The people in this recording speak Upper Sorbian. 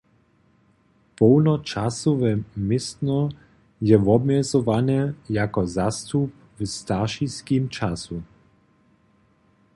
Połnočasowe městno je wobmjezowane jako zastup w staršiskim času.